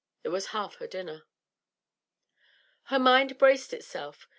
It was half her dinner. Her mind braced itself.